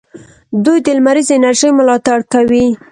دوی د لمریزې انرژۍ ملاتړ کوي.